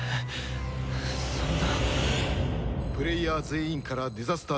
そんな。